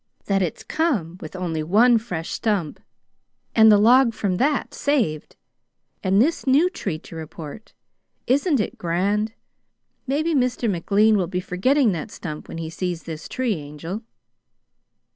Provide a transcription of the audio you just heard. That it's come with only one fresh stump, and the log from that saved, and this new tree to report, isn't it grand? Maybe Mr. McLean will be forgetting that stump when he sees this tree, Angel!"